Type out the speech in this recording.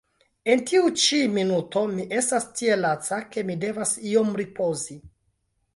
En tiu ĉi minuto mi estas tiel laca, ke mi devas iom ripozi.